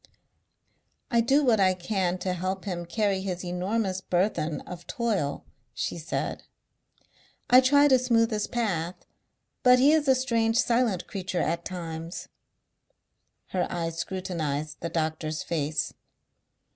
"I do what I can to help him carry his enormous burthen of toil," she said. "I try to smooth his path. But he is a strange silent creature at times." Her eyes scrutinized the doctor's face.